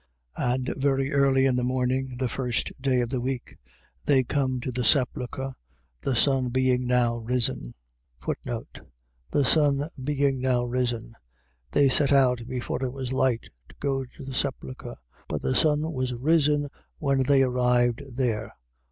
16:2. And very early in the morning, the first day of the week, they come to the sepulchre, the sun being now risen. The sun being now risen. . .They set out before it was light, to go to the sepulchre; but the sun was risen when they arrived there.